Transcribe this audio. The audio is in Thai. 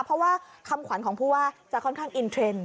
เพราะว่าคำขวัญของผู้ว่าจะค่อนข้างอินเทรนด์